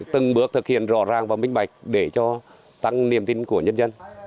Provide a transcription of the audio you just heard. từng bước thực hiện rõ ràng và minh bạch để cho tăng niềm tin của nhân dân